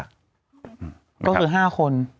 ก็คือ๕คน